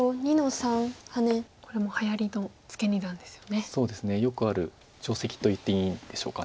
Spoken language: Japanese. そうですねよくある定石といっていいんでしょうか。